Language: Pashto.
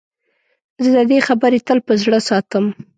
زه د ده خبرې تل په زړه ساتم.